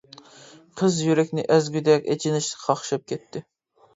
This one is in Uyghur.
قىز يۈرەكنى ئەزگۈدەك ئېچىنىشلىق قاقشاپ كەتتى.